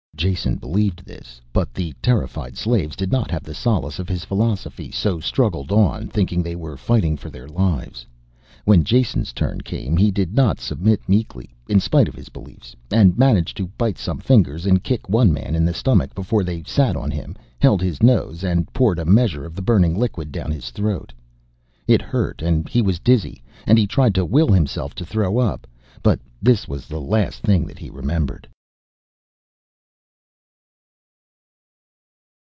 Jason believed this, but the terrified slaves did not have the solace of his philosophy so struggled on, thinking that they were fighting for their lives. When Jason's turn came he did not submit meekly, in spite of his beliefs, and managed to bite some fingers and kick one man in the stomach before they sat on him, held his nose and poured a measure of the burning liquid down his throat. It hurt and he was dizzy, and he tried to will himself to throw up, but this was the last thing that he remembered.